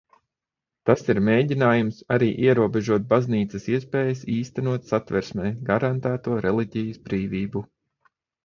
Tas ir mēģinājums arī ierobežot baznīcas iespējas īstenot Satversmē garantēto reliģijas brīvību.